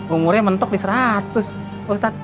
umurnya mentok di seratus ustadz